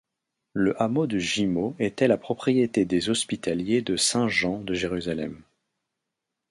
Le hameau de Gimeaux était la propriété des Hospitaliers de Saint Jean de Jérusalem.